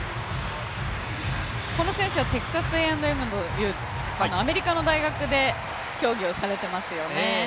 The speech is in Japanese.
この選手はテキサスＡ＆Ｍ大学のアメリカの大学で競技をされていますよね。